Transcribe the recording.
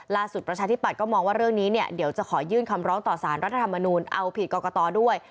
ประชาธิปัตยก็มองว่าเรื่องนี้เนี่ยเดี๋ยวจะขอยื่นคำร้องต่อสารรัฐธรรมนูลเอาผิดกรกตด้วย